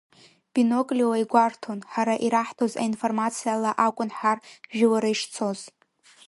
Бинокльла игәарҭон, ҳара ираҳҭоз аинформациала акәын ҳар жәылара ишцоз.